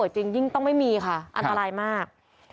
จริงยิ่งต้องไม่มีค่ะอันตรายมาก